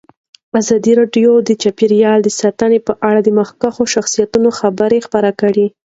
ازادي راډیو د چاپیریال ساتنه په اړه د مخکښو شخصیتونو خبرې خپرې کړي.